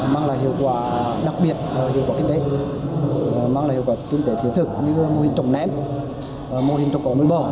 mang lại hiệu quả đặc biệt hiệu quả kinh tế mang lại hiệu quả kinh tế thiết thực như mô hình trồng ném mô hình trồng cỏ nuôi bò